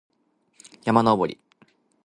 山登り